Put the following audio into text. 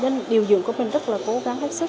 nên điều dưỡng của mình rất là cố gắng hết sức